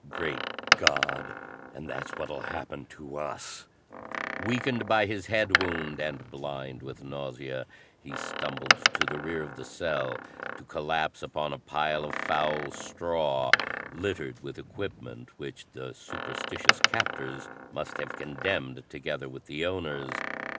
"Great God! And that's what'll happen to us!" Weakened by his head wound, and blind with nausea, he stumbled to the rear of the cell to collapse upon a pile of foul straw, littered with equipment which the superstitious captors must have condemned together with the owners.